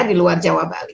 di luar jawa bali